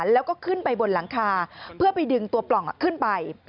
แล้วก็ขึ้นไปบนหลังคาเพื่อไปดึงตัวปล่องขึ้นไป